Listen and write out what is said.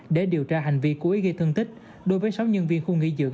để điều tra hành vi cố ý gây thương tích đối với sáu nhân viên khu nghỉ dưỡng